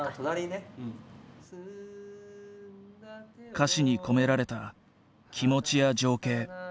歌詞に込められた気持ちや情景。